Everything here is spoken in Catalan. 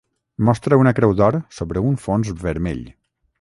Mostra una creu d'or sobre un fons vermell.